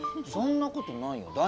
そんなことないよ。